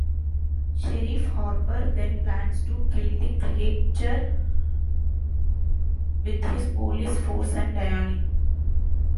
Sheriff Harper then plans to kill the creature with his police force and Diane.